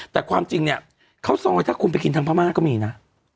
แต่ความจริงเนี่ยข้าวซอยถ้าคุณไปกินทางพม่าก็มีนะ